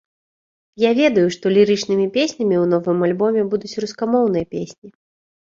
Я ведаю, што лірычнымі песнямі ў новым альбоме будуць рускамоўныя песні.